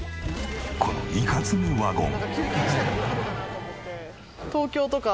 このいかつめワゴン。